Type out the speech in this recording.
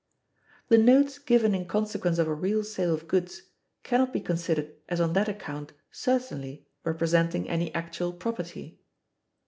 The notes given in consequence of a real sale of goods can not be considered as on that account certainly representing any actual property.